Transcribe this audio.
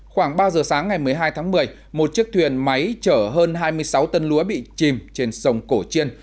khoảng ba giờ sáng ngày một mươi hai tháng một mươi một chiếc thuyền máy chở hơn hai mươi sáu tân lúa bị chìm trên sông cổ chiên